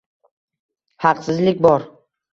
Haqsizlik bor